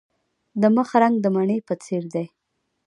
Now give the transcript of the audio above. د مخ رنګ د مڼې په څیر دی.